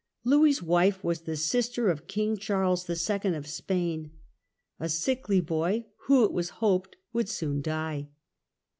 Louis' wife was the sister of King Charles IL of Spain, a sickly boy, who, it was hoped, would soon die.